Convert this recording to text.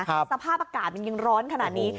สภาพอากาศมันยังร้อนขนาดนี้